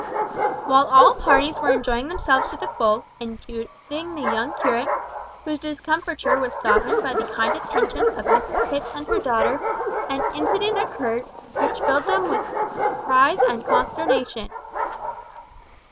While all parties were enjoying themselves to the full, including the young curate, whose discomfiture was softened by the kind attentions of Mrs Tipps and her daughter, an incident occurred which filled them with surprise and consternation.